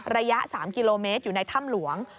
ระยะ๓กิโลเมตรอยู่ในถ้ำหลวง